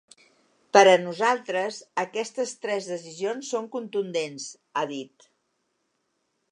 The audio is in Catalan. Per a nosaltres aquestes tres decisions són contundents, ha dit.